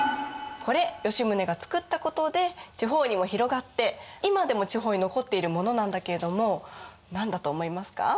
これ吉宗が作ったことで地方にも広がって今でも地方に残っているものなんだけれども何だと思いますか？